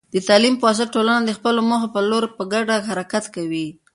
د تعلیم په واسطه، ټولنه د خپلو موخو په لور په ګډه حرکت کوي.